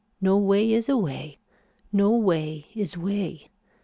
No way is a way. No way is way.